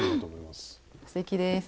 すてきです。